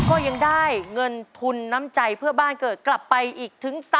ก็ยังได้เงินทุนน้ำใจเพื่อบ้านเกิดกลับไปอีกถึง๓๐๐